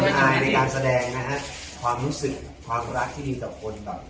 คนอายในการแสดงความรู้สึกความรักที่มีกับคน